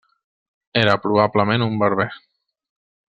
Era probablement un berber.